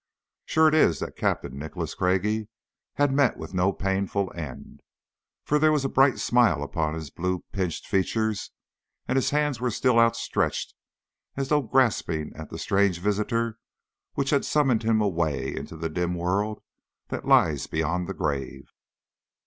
Sure it is that Captain Nicholas Craigie had met with no painful end, for there was a bright smile upon his blue pinched features, and his hands were still outstretched as though grasping at the strange visitor which had summoned him away into the dim world that lies beyond the grave.